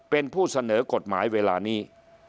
เป็นผู้เสนอกฎหมายเวลานี้